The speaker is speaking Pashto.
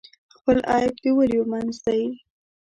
خپل عیب د ولیو منځ دی.